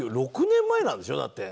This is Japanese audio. ６年前なんでしょ？だって。